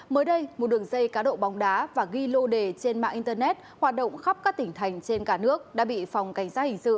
mới đây một đường dây cá độ bóng đá và ghi lô đề trên mạng internet hoạt động khắp các tỉnh thành trên cả nước đã bị phòng cảnh sát hình sự